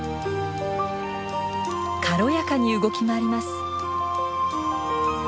軽やかに動き回ります。